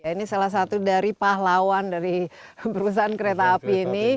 ini salah satu dari pahlawan dari perusahaan kereta api ini